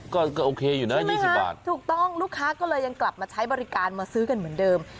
ก็โอเคอยู่นะ๒๐บาทถูกต้องลูกค้าก็เลยยังกลับมาใช้บริการมาซื้อกันเหมือนเดิม